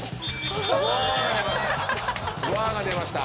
・「うわ」が出ました。